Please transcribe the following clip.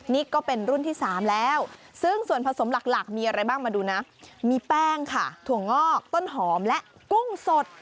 นี่ก็เป็นรุ่นที่๓แล้วซึ่งส่วนผสมหลักมีอะไรบ้างมาดูนะมีแป้งค่ะถั่วงอกต้นหอมและกุ้งสด